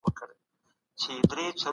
پر کشرانو شفقت او مهرباني وکړئ.